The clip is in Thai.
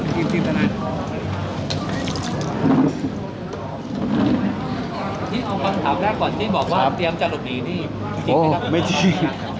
นี่เอาคำถามแรกก่อนที่บอกว่าเตรียมจะหลบหนีนี่จริงไหมครับผมไม่จริง